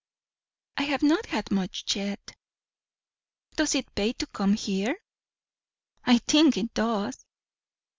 "I have not had much yet." "Does it pay to come here?" "I think it does."